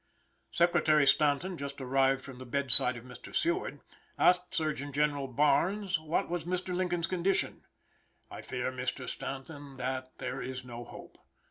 Secretary Stanton, just arrived from the bedside of Mr. Seward, asked Surgeon General Barnes what was Mr. Lincoln's condition. "I fear, Mr. Stanton, that there is no hope."